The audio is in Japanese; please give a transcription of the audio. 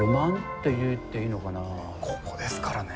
ここですからね。